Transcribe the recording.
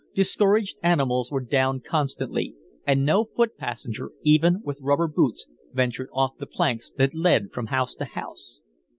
Discouraged animals were down constantly, and no foot passenger, even with rubber boots, ventured off the planks that led from house to house.